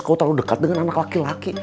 kau terlalu dekat dengan anak laki laki